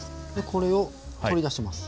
これを取り出します。